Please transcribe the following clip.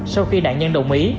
sau khi đạn nhân đồng ý